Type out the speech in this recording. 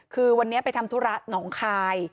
คือวันนี้ไปทำธุระหนองคาย